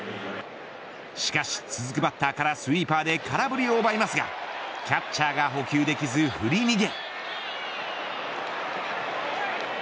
しかし続くバッターからスイーパーで空振りを奪いますがキャッチャーが捕球できず振り逃げ。